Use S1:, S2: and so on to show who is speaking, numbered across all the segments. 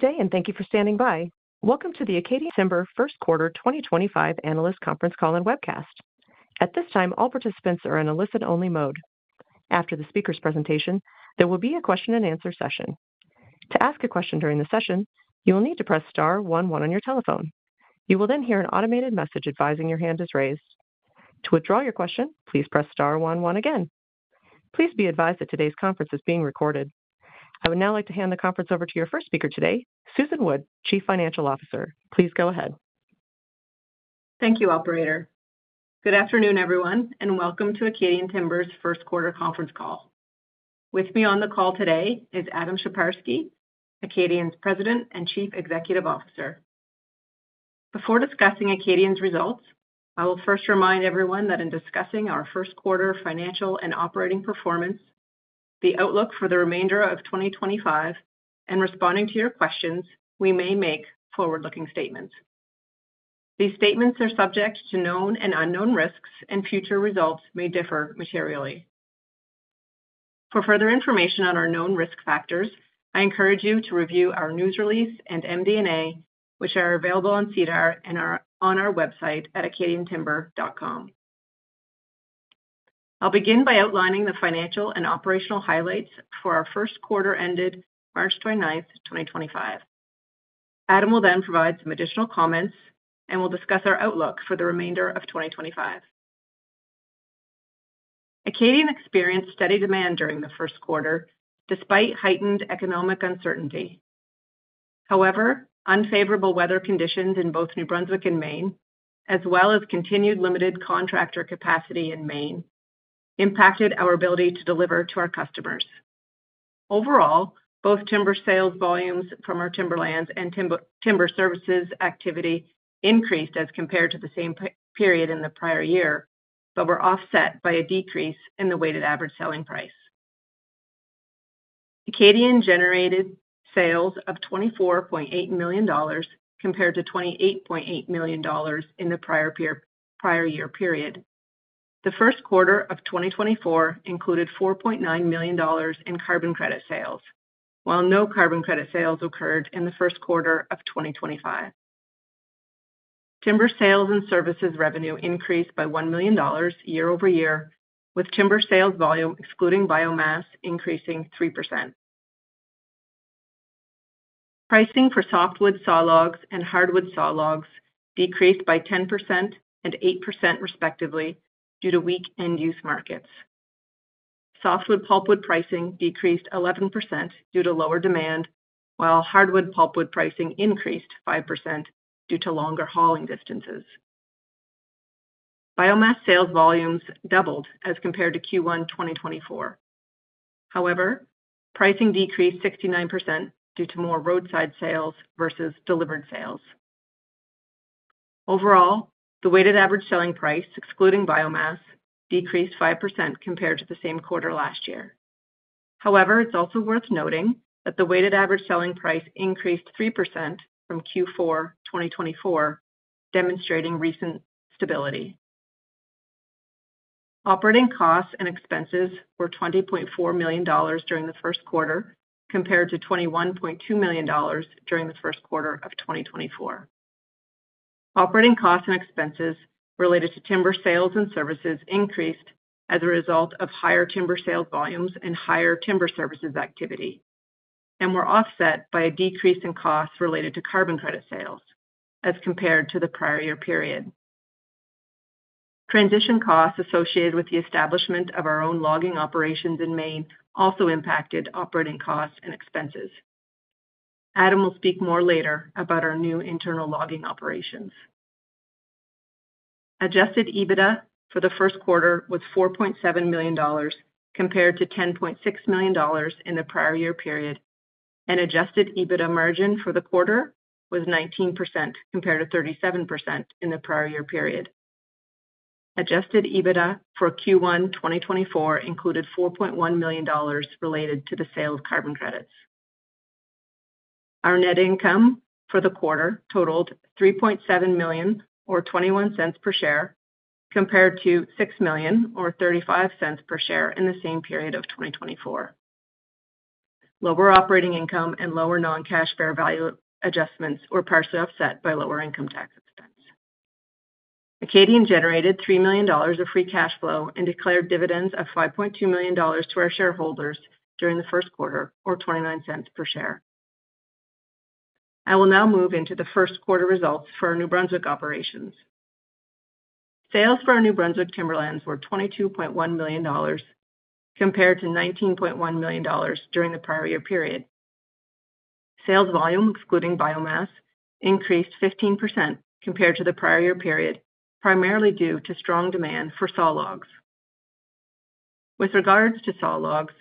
S1: Good day, and thank you for standing by. Welcome to the Acadian Timber First Quarter 2025 Analyst Conference Call and Webcast. At this time, all participants are in a listen-only mode. After the speaker's presentation, there will be a question-and-answer session. To ask a question during the session, you will need to press star one one on your telephone. You will then hear an automated message advising your hand is raised. To withdraw your question, please press star one one again. Please be advised that today's conference is being recorded. I would now like to hand the conference over to your first speaker today, Susan Wood, Chief Financial Officer. Please go ahead.
S2: Thank you, Operator. Good afternoon, everyone, and welcome to Acadian Timber's First Quarter Conference Call. With me on the call today is Adam Sheparski, Acadian's President and Chief Executive Officer. Before discussing Acadian's results, I will first remind everyone that in discussing our first quarter financial and operating performance, the outlook for the remainder of 2025, and responding to your questions, we may make forward-looking statements. These statements are subject to known and unknown risks, and future results may differ materially. For further information on our known risk factors, I encourage you to review our news release and MD&A, which are available on CDAR and on our website at acadiantimber.com. I'll begin by outlining the financial and operational highlights for our first quarter ended March 29th, 2025. Adam will then provide some additional comments and will discuss our outlook for the remainder of 2025. Acadian experienced steady demand during the first quarter despite heightened economic uncertainty. However, unfavorable weather conditions in both New Brunswick and Maine, as well as continued limited contractor capacity in Maine, impacted our ability to deliver to our customers. Overall, both timber sales volumes from our timberlands and timber services activity increased as compared to the same period in the prior year, but were offset by a decrease in the weighted average selling price. Acadian generated sales of $24.8 million compared to $28.8 million in the prior year period. The first quarter of 2024 included $4.9 million in carbon credit sales, while no carbon credit sales occurred in the first quarter of 2023. Timber sales and services revenue increased by $1 million year-over-year, with timber sales volume excluding biomass increasing 3%. Pricing for softwood saw logs and hardwood saw logs decreased by 10% and 8% respectively due to weak end-use markets. Softwood pulpwood pricing decreased 11% due to lower demand, while hardwood pulpwood pricing increased 5% due to longer hauling distances. Biomass sales volumes doubled as compared to Q1 2024. However, pricing decreased 69% due to more roadside sales versus delivered sales. Overall, the weighted average selling price excluding biomass decreased 5% compared to the same quarter last year. However, it's also worth noting that the weighted average selling price increased 3% from Q4 2024, demonstrating recent stability. Operating costs and expenses were $20.4 million during the first quarter compared to $21.2 million during the first quarter of 2024. Operating costs and expenses related to timber sales and services increased as a result of higher timber sales volumes and higher timber services activity, and were offset by a decrease in costs related to carbon credit sales as compared to the prior year period. Transition costs associated with the establishment of our own logging operations in Maine also impacted operating costs and expenses. Adam will speak more later about our new internal logging operations. Adjusted EBITDA for the first quarter was $4.7 million compared to $10.6 million in the prior year period, and adjusted EBITDA margin for the quarter was 19% compared to 37% in the prior year period. Adjusted EBITDA for Q1 2024 included $4.1 million related to the sale of carbon credits. Our net income for the quarter totaled $3.7 million, or $0.21 per share, compared to $6 million, or $0.35 per share in the same period of 2024. Lower operating income and lower non-cash fair value adjustments were partially offset by lower income tax expense. Acadian generated $3 million of free cash flow and declared dividends of $5.2 million to our shareholders during the first quarter, or $0.29 per share. I will now move into the first quarter results for our New Brunswick operations. Sales for our New Brunswick timberlands were $22.1 million compared to $19.1 million during the prior year period. Sales volume, excluding biomass, increased 15% compared to the prior year period, primarily due to strong demand for saw logs. With regards to saw logs,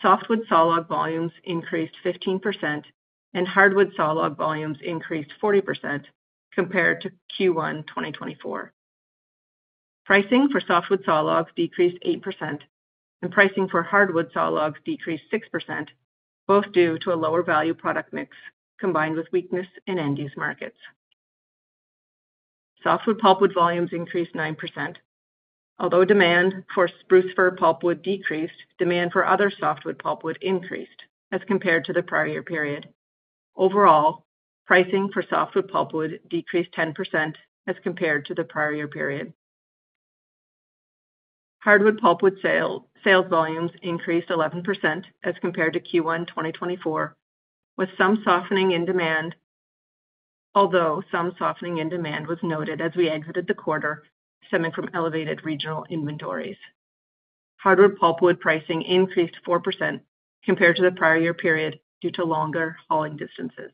S2: softwood saw log volumes increased 15%, and hardwood saw log volumes increased 40% compared to Q1 2024. Pricing for softwood saw logs decreased 8%, and pricing for hardwood saw logs decreased 6%, both due to a lower value product mix combined with weakness in end-use markets. Softwood pulpwood volumes increased 9%. Although demand for spruce fir pulpwood decreased, demand for other softwood pulpwood increased as compared to the prior year period. Overall, pricing for softwood pulpwood decreased 10% as compared to the prior year period. Hardwood pulpwood sales volumes increased 11% as compared to Q1 2024, with some softening in demand, although some softening in demand was noted as we exited the quarter stemming from elevated regional inventories. Hardwood pulpwood pricing increased 4% compared to the prior year period due to longer hauling distances.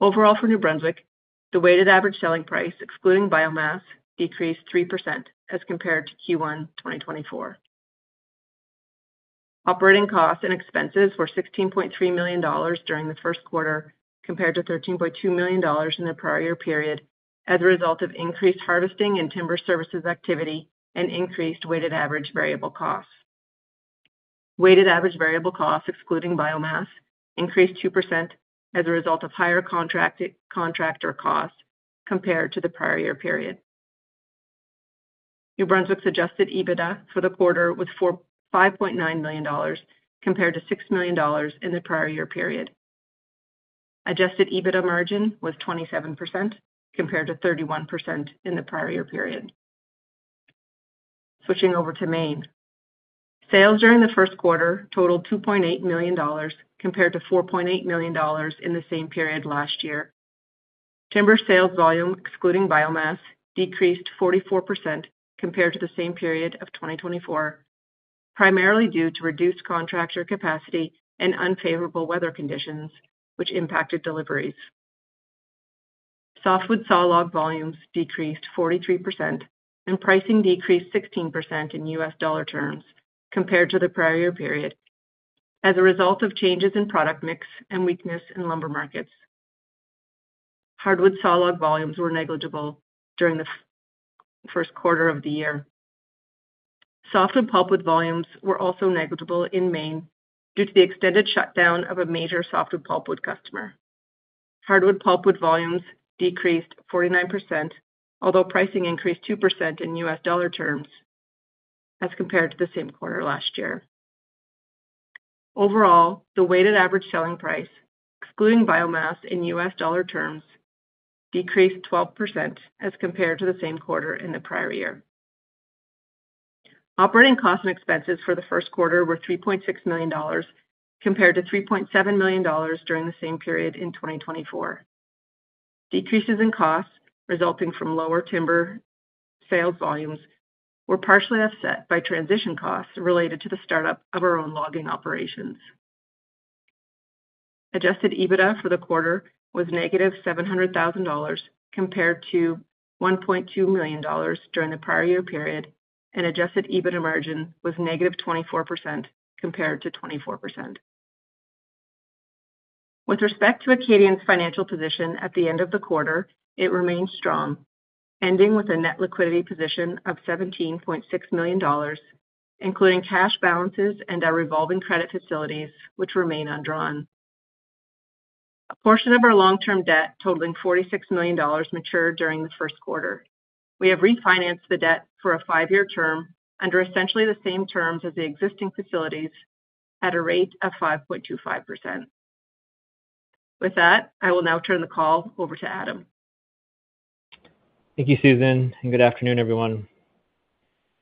S2: Overall, for New Brunswick, the weighted average selling price, excluding biomass, decreased 3% as compared to Q1 2024. Operating costs and expenses were $16.3 million during the first quarter compared to $13.2 million in the prior year period as a result of increased harvesting and timber services activity and increased weighted average variable costs. Weighted average variable costs, excluding biomass, increased 2% as a result of higher contractor costs compared to the prior year period. New Brunswick's adjusted EBITDA for the quarter was $5.9 million compared to $6 million in the prior year period. Adjusted EBITDA margin was 27% compared to 31% in the prior year period. Switching over to Maine. Sales during the first quarter totaled $2.8 million compared to $4.8 million in the same period last year. Timber sales volume, excluding biomass, decreased 44% compared to the same period of 2024, primarily due to reduced contractor capacity and unfavorable weather conditions, which impacted deliveries. Softwood saw log volumes decreased 43%, and pricing decreased 16% in U.S. dollar terms compared to the prior year period as a result of changes in product mix and weakness in lumber markets. Hardwood saw log volumes were negligible during the first quarter of the year. Softwood pulpwood volumes were also negligible in Maine due to the extended shutdown of a major softwood pulpwood customer. Hardwood pulpwood volumes decreased 49%, although pricing increased 2% in U.S. dollar terms as compared to the same quarter last year. Overall, the weighted average selling price, excluding biomass in U.S. dollar terms, decreased 12% as compared to the same quarter in the prior year. Operating costs and expenses for the first quarter were $3.6 million compared to $3.7 million during the same period in 2024. Decreases in costs resulting from lower timber sales volumes were partially offset by transition costs related to the startup of our own logging operations. Adjusted EBITDA for the quarter was negative $700,000 compared to $1.2 million during the prior year period, and adjusted EBITDA margin was negative 24% compared to 24%. With respect to Acadian financial position at the end of the quarter, it remained strong, ending with a net liquidity position of $17.6 million, including cash balances and our revolving credit facilities, which remain undrawn. A portion of our long-term debt totaling $46 million matured during the first quarter. We have refinanced the debt for a five-year term under essentially the same terms as the existing facilities at a rate of 5.25%. With that, I will now turn the call over to Adam.
S3: Thank you, Susan, and good afternoon, everyone.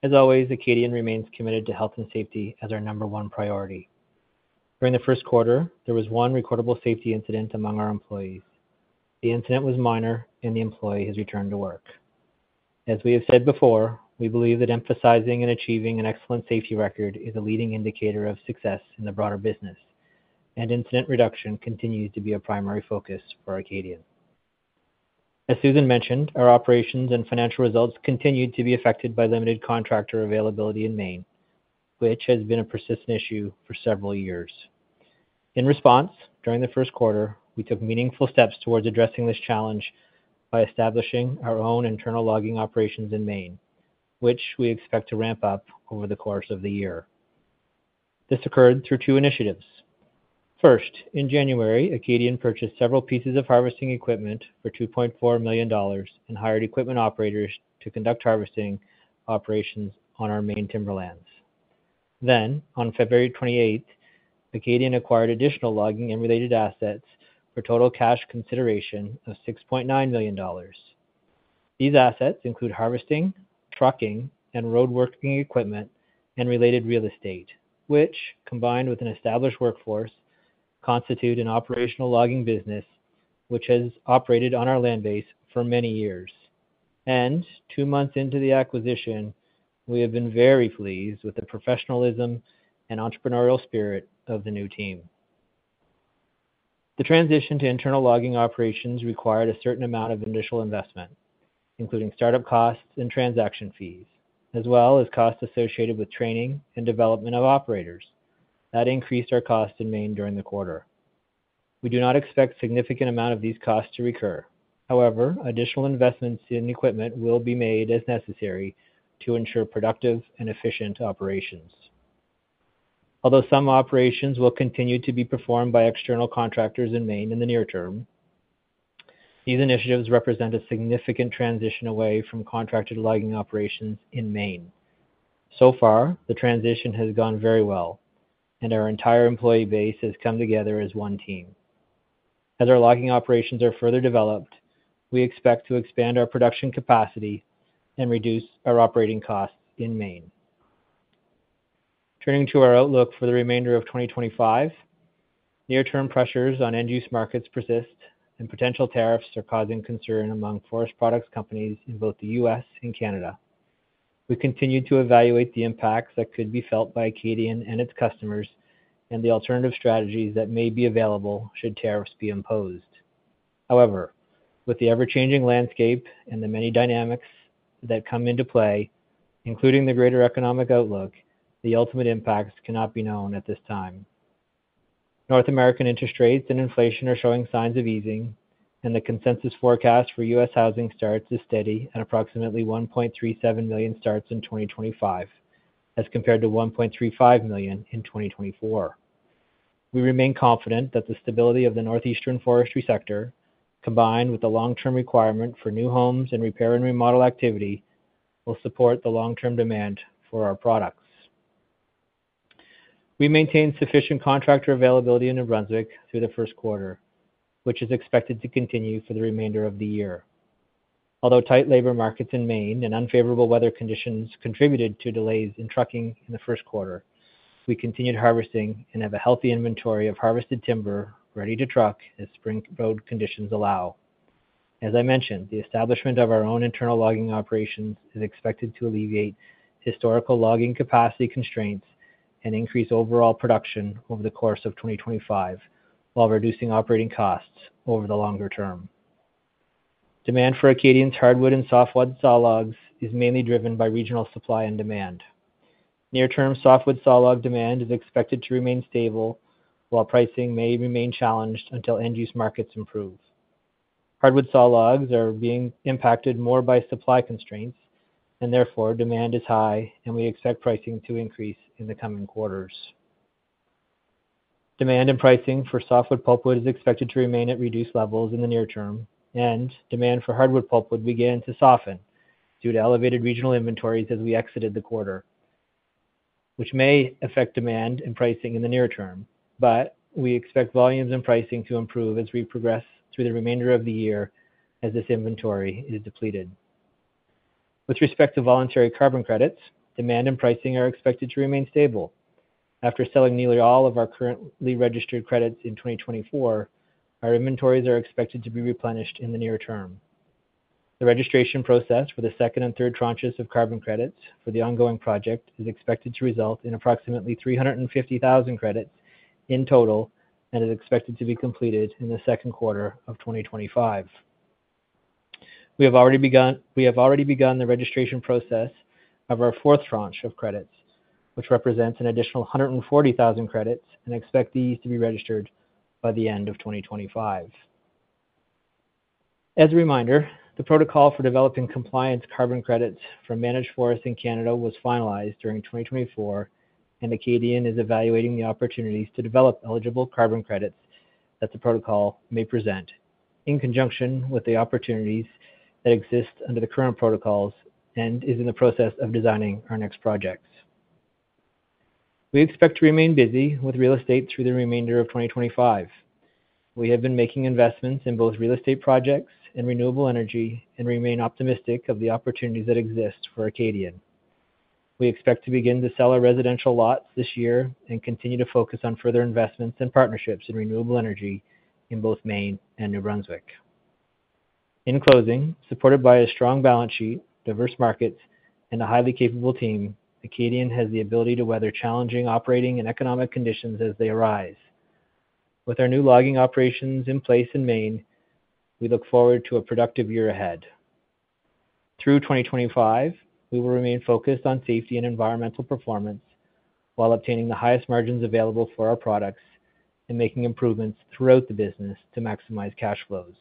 S3: As always, Acadian remains committed to health and safety as our number one priority. During the first quarter, there was one recordable safety incident among our employees. The incident was minor, and the employee has returned to work. As we have said before, we believe that emphasizing and achieving an excellent safety record is a leading indicator of success in the broader business, and incident reduction continues to be a primary focus for Acadian. As Susan mentioned, our operations and financial results continued to be affected by limited contractor availability in Maine, which has been a persistent issue for several years. In response, during the first quarter, we took meaningful steps towards addressing this challenge by establishing our own internal logging operations in Maine, which we expect to ramp up over the course of the year. This occurred through two initiatives. First, in January, Acadian purchased several pieces of harvesting equipment for $2.4 million and hired equipment operators to conduct harvesting operations on our Maine timberlands. On February 28, Acadian acquired additional logging and related assets for total cash consideration of $6.9 million. These assets include harvesting, trucking, and roadworking equipment and related real estate, which, combined with an established workforce, constitute an operational logging business which has operated on our land base for many years. Two months into the acquisition, we have been very pleased with the professionalism and entrepreneurial spirit of the new team. The transition to internal logging operations required a certain amount of initial investment, including startup costs and transaction fees, as well as costs associated with training and development of operators. That increased our costs in Maine during the quarter. We do not expect a significant amount of these costs to recur. However, additional investments in equipment will be made as necessary to ensure productive and efficient operations. Although some operations will continue to be performed by external contractors in Maine in the near term, these initiatives represent a significant transition away from contracted logging operations in Maine. So far, the transition has gone very well, and our entire employee base has come together as one team. As our logging operations are further developed, we expect to expand our production capacity and reduce our operating costs in Maine. Turning to our outlook for the remainder of 2025, near-term pressures on end-use markets persist, and potential tariffs are causing concern among forest products companies in both the U.S. and Canada. We continue to evaluate the impacts that could be felt by Acadian and its customers and the alternative strategies that may be available should tariffs be imposed. However, with the ever-changing landscape and the many dynamics that come into play, including the greater economic outlook, the ultimate impacts cannot be known at this time. North American interest rates and inflation are showing signs of easing, and the consensus forecast for U.S. housing starts is steady at approximately $1.37 million starts in 2025 as compared to $1.35 million in 2024. We remain confident that the stability of the northeastern forestry sector, combined with the long-term requirement for new homes and repair and remodel activity, will support the long-term demand for our products. We maintain sufficient contractor availability in New Brunswick through the first quarter, which is expected to continue for the remainder of the year. Although tight labor markets in Maine and unfavorable weather conditions contributed to delays in trucking in the first quarter, we continued harvesting and have a healthy inventory of harvested timber ready to truck as spring road conditions allow. As I mentioned, the establishment of our own internal logging operations is expected to alleviate historical logging capacity constraints and increase overall production over the course of 2025 while reducing operating costs over the longer term. Demand for Acadian's hardwood and softwood saw logs is mainly driven by regional supply and demand. Near-term softwood saw log demand is expected to remain stable while pricing may remain challenged until end-use markets improve. Hardwood saw logs are being impacted more by supply constraints, and therefore demand is high, and we expect pricing to increase in the coming quarters. Demand and pricing for softwood pulpwood is expected to remain at reduced levels in the near term, and demand for hardwood pulpwood began to soften due to elevated regional inventories as we exited the quarter, which may affect demand and pricing in the near term, but we expect volumes and pricing to improve as we progress through the remainder of the year as this inventory is depleted. With respect to voluntary carbon credits, demand and pricing are expected to remain stable. After selling nearly all of our currently registered credits in 2024, our inventories are expected to be replenished in the near term. The registration process for the second and third tranches of carbon credits for the ongoing project is expected to result in approximately 350,000 credits in total and is expected to be completed in the second quarter of 2025. We have already begun the registration process of our fourth tranche of credits, which represents an additional 140,000 credits, and expect these to be registered by the end of 2025. As a reminder, the protocol for developing compliant carbon credits for managed forests in Canada was finalized during 2024, and Acadian is evaluating the opportunities to develop eligible carbon credits that the protocol may present in conjunction with the opportunities that exist under the current protocols and is in the process of designing our next projects. We expect to remain busy with real estate through the remainder of 2025. We have been making investments in both real estate projects and renewable energy and remain optimistic of the opportunities that exist for Acadian.
S4: We expect to begin to sell our residential lots this year and continue to focus on further investments and partnerships in renewable energy in both Maine and New Brunswick. In closing, supported by a strong balance sheet, diverse markets, and a highly capable team, Acadian has the ability to weather challenging operating and economic conditions as they arise. With our new logging operations in place in Maine, we look forward to a productive year ahead. Through 2025, we will remain focused on safety and environmental performance while obtaining the highest margins available for our products and making improvements throughout the business to maximize cash flows.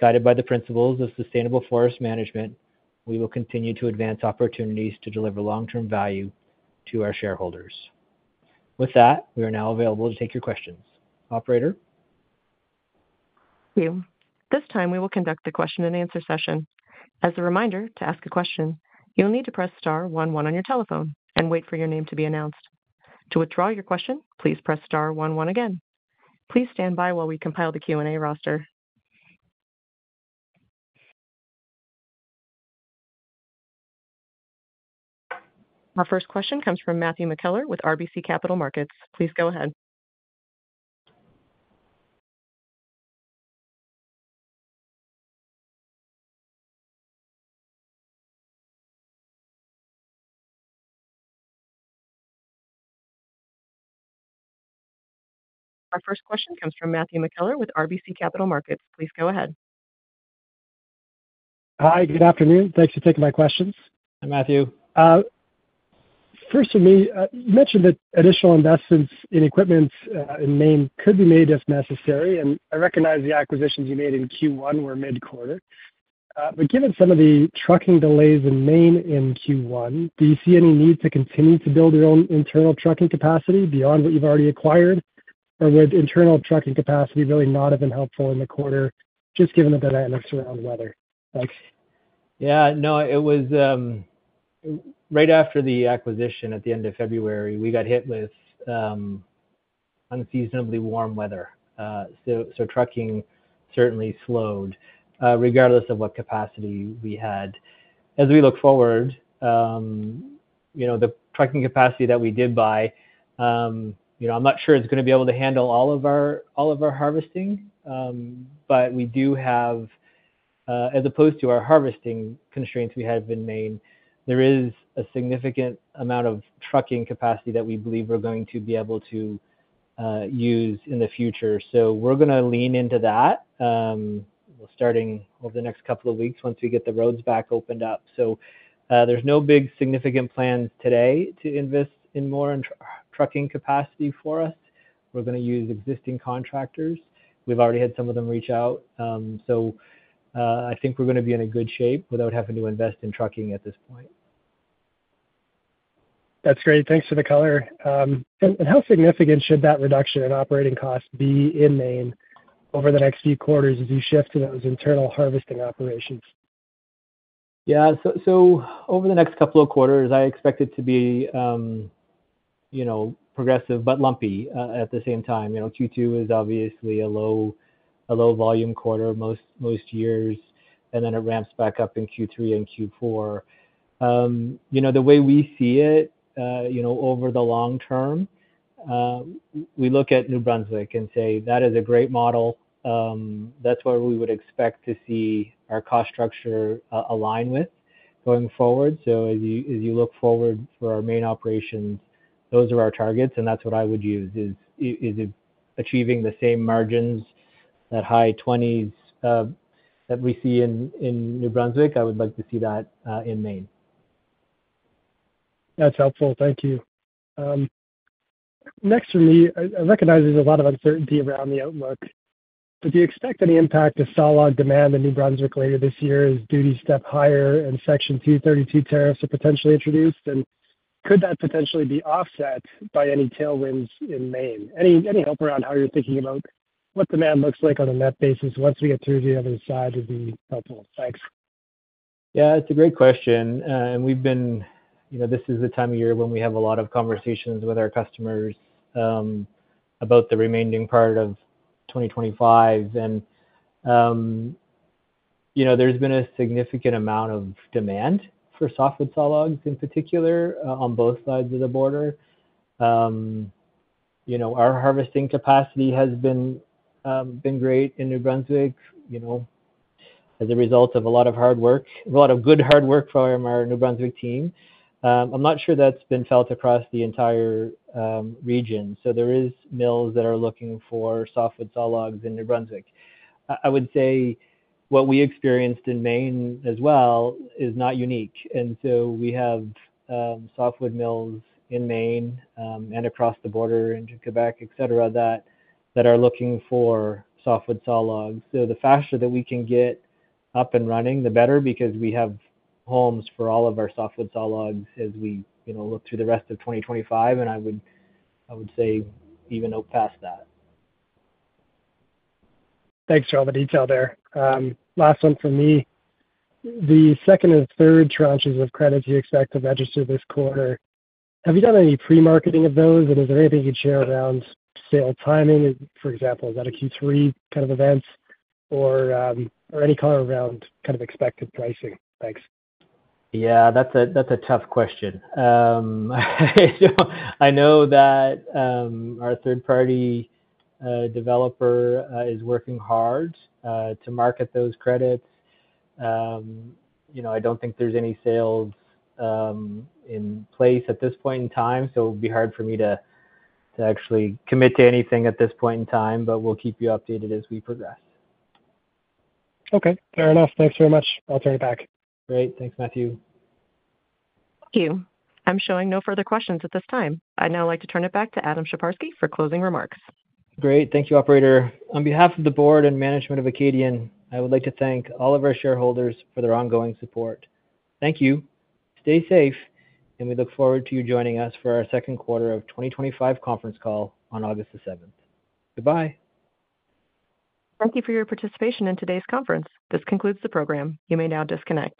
S4: Guided by the principles of sustainable forest management, we will continue to advance opportunities to deliver long-term value to our shareholders. With that, we are now available to take your questions. Operator?
S1: Thank you. This time, we will conduct the question-and-answer session. As a reminder, to ask a question, you'll need to press star one one on your telephone and wait for your name to be announced. To withdraw your question, please press star one one again. Please stand by while we compile the Q&A roster. Our first question comes from Matthew McKellar with RBC Capital Markets. Please go ahead.
S5: Hi, good afternoon. Thanks for taking my questions.
S3: Hi, Matthew.
S5: First of me, you mentioned that additional investments in equipment in Maine could be made if necessary, and I recognize the acquisitions you made in Q1 were mid-quarter. Given some of the trucking delays in Maine in Q1, do you see any need to continue to build your own internal trucking capacity beyond what you've already acquired, or would internal trucking capacity really not have been helpful in the quarter just given the dynamics around weather? Thanks.
S4: Yeah, no, it was right after the acquisition at the end of February, we got hit with unseasonably warm weather, so trucking certainly slowed regardless of what capacity we had. As we look forward, the trucking capacity that we did buy, I'm not sure it's going to be able to handle all of our harvesting, but we do have, as opposed to our harvesting constraints we had in Maine, there is a significant amount of trucking capacity that we believe we're going to be able to use in the future. We are going to lean into that starting over the next couple of weeks once we get the roads back opened up. There are no big significant plans today to invest in more trucking capacity for us. We are going to use existing contractors. We've already had some of them reach out. I think we're going to be in a good shape without having to invest in trucking at this point.
S6: That's great. Thanks for the color. How significant should that reduction in operating costs be in Maine over the next few quarters as you shift to those internal harvesting operations?
S4: Yeah, so over the next couple of quarters, I expect it to be progressive but lumpy at the same time. Q2 is obviously a low-volume quarter most years, and then it ramps back up in Q3 and Q4. The way we see it over the long term, we look at New Brunswick and say, "That is a great model." That is where we would expect to see our cost structure align with going forward. As you look forward for our Maine operations, those are our targets, and that is what I would use is achieving the same margins, that high 20s that we see in New Brunswick. I would like to see that in Maine.
S6: That's helpful. Thank you. Next for me, I recognize there's a lot of uncertainty around the outlook, but do you expect any impact of saw log demand in New Brunswick later this year as duties step higher and Section 232 tariffs are potentially introduced? Could that potentially be offset by any tailwinds in Maine? Any help around how you're thinking about what demand looks like on a net basis once we get through to the other side would be helpful. Thanks.
S4: Yeah, it's a great question. We've been, this is the time of year when we have a lot of conversations with our customers about the remaining part of 2025. There's been a significant amount of demand for softwood saw logs in particular on both sides of the border. Our harvesting capacity has been great in New Brunswick as a result of a lot of hard work, a lot of good hard work from our New Brunswick team. I'm not sure that's been felt across the entire region. There are mills that are looking for softwood saw logs in New Brunswick. I would say what we experienced in Maine as well is not unique. We have softwood mills in Maine and across the border into Quebec, etc., that are looking for softwood saw logs. The faster that we can get up and running, the better, because we have homes for all of our softwood saw logs as we look through the rest of 2025, and I would say even out past that.
S6: Thanks for all the detail there. Last one from me. The second and third tranches of credits you expect to register this quarter, have you done any pre-marketing of those, and is there anything you'd share around sale timing? For example, is that a Q3 kind of event or any color around kind of expected pricing? Thanks.
S4: Yeah, that's a tough question. I know that our third-party developer is working hard to market those credits. I don't think there's any sales in place at this point in time, so it would be hard for me to actually commit to anything at this point in time, but we'll keep you updated as we progress.
S6: Okay. Fair enough. Thanks very much. I'll turn it back.
S4: Great. Thanks, Matthew.
S1: Thank you. I'm showing no further questions at this time. I'd now like to turn it back to Adam Sheparski for closing remarks.
S4: Great. Thank you, Operator. On behalf of the board and management of Acadian, I would like to thank all of our shareholders for their ongoing support. Thank you. Stay safe, and we look forward to you joining us for our second quarter of 2025 conference call on August the 7th. Goodbye.
S1: Thank you for your participation in today's conference. This concludes the program. You may now disconnect.